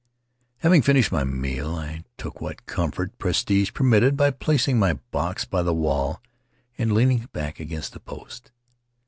Having finished my meal, I took what comfort prestige permitted by placing my box by the wall and leaning back against a post.